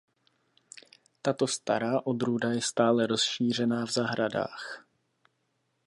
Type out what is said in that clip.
Tato stará odrůda je stále rozšířená v zahradách.